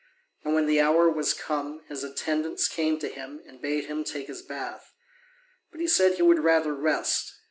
And when the hour was come, his attendants came to him and bade him take his bath. But he said he would rather rest.